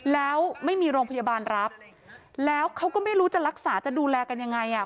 แล้วไม่มีโรงพยาบาลรับแล้วเขาก็ไม่รู้จะรักษาจะดูแลกันยังไงอ่ะ